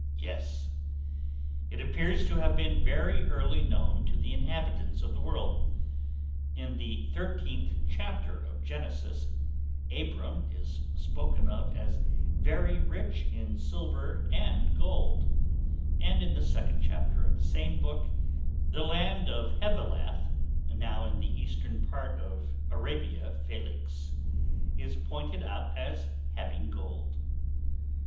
Yes; it appears to have been very early known to the inhabitants of the world. In the 13th Chapter of Genesis, Abram is spoken of as very rich in silver and gold; and in the 2d Chapter of the same book, the "land of Hevilath" (now in the eastern part of Arabia Felix,) is pointed out as having gold.